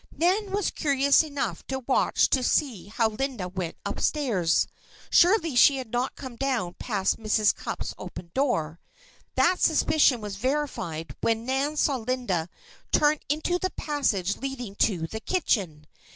Nan was curious enough to watch to see how Linda went up stairs. Surely she had not come down past Mrs. Cupp's open door. That suspicion was verified when Nan saw Linda turn into the passage leading to the kitchen.